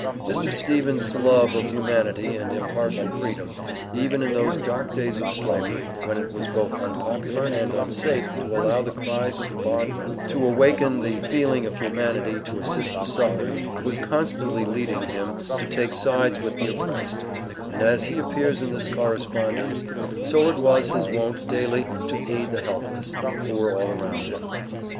Mr. Stevens' love of humanity, and impartial freedom, even in those dark days of Slavery, when it was both unpopular and unsafe to allow the cries of the bondman to awaken the feeling of humanity to assist the suffering, was constantly leading him to take sides with the oppressed, and as he appears in this correspondence, so it was his wont daily to aid the helpless, who were all around him.